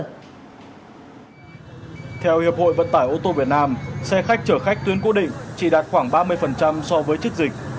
theo hiệp hội vận tải ô tô việt nam xe khách chở khách tuyến cố định chỉ đạt khoảng ba mươi so với trước dịch